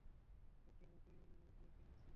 Cocktail party তে কেন আসিছ নি?